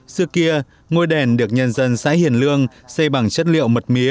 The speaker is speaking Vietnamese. xưa kia ngôi đền được nhân dân xã hiền lương xây bằng chất liệu mật mía